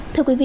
thưa quý vị